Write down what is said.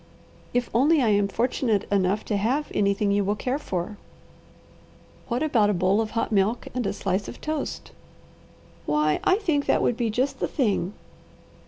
"If only I am fortunate enough to have anything you will care for. What about a bowl of hot milk and a slice of toast?" "Why I think that would be just the thing!"